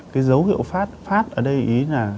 cái dấu hiệu phát ở đây ý là